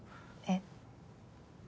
えっ。